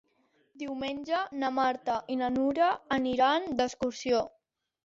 Diumenge na Marta i na Nura aniran d'excursió.